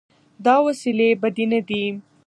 دا وسیلې بدې نه دي.